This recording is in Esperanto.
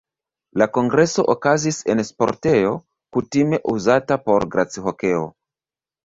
La kongreso okazis en sportejo, kutime uzata por glacihokeo.